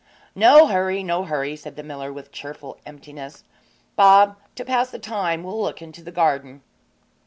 'No hurry, no hurry,' said the miller, with cheerful emptiness. 'Bob, to pass the time we'll look into the garden.'